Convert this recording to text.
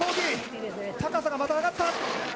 高さがまた上がった。